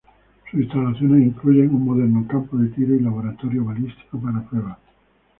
Sus instalaciones incluyen un moderno campo de tiro y laboratorio balístico para pruebas.